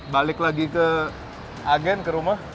balik lagi ke agen ke rumah